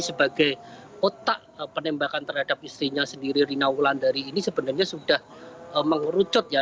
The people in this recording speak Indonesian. sebagai otak penembakan terhadap istrinya sendiri rina wulandari ini sebenarnya sudah mengerucut ya